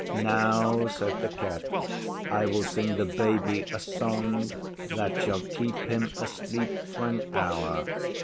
'Now,' said the Cat, 'I will sing the Baby a song that shall keep him asleep for an hour.